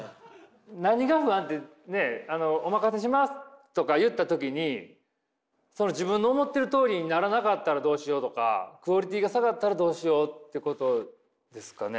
何が不安ってねえ「お任せします」とか言った時に自分の思ってるとおりにならなかったらどうしようとかクオリティーが下がったらどうしようってことですかね？